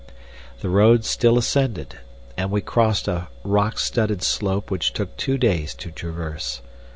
The road still ascended, and we crossed a rock studded slope which took two days to traverse.